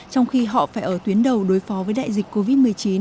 trong khi họ phải ở tuyến đầu đối phó với đại dịch covid một mươi chín